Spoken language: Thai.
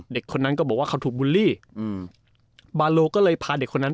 เด็กคนนั้นก็บอกว่าเขาถูกบูลลี่อืมบาโลก็เลยพาเด็กคนนั้น